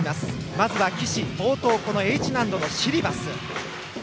まずは岸、冒頭Ｈ難度のシリバス。